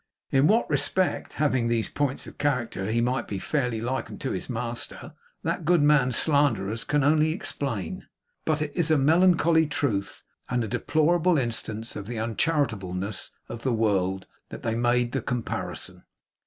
In what respect, having these points of character, he might be fairly likened to his master, that good man's slanderers only can explain. But it is a melancholy truth, and a deplorable instance of the uncharitableness of the world, that they made the comparison.